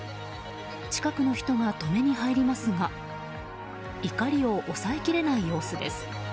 近くの人が止めに入りますが怒りを抑えきれない様子です。